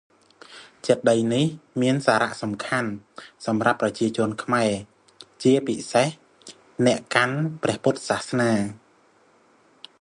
ចេតិយនេះមានសារៈសំខាន់សម្រាប់ប្រជាជនខ្មែរ ជាពិសេសអ្នកកាន់ព្រះពុទ្ធសាសនា។